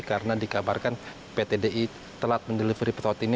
karena dikabarkan ptdi telat mendelivery pesawat ini